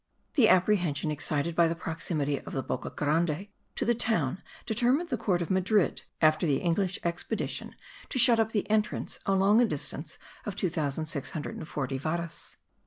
The apprehension excited by the proximity of the Boca Grande to the town determined the court of Madrid, after the English expedition, to shut up the entrance along a distance of 2640 varas.